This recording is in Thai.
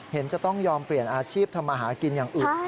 เห็นจะต้องยอมเปลี่ยนอาชีพทำมาหากินอย่างอื่น